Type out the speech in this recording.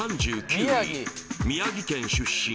３９位宮城県出身